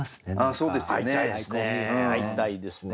そうですよね。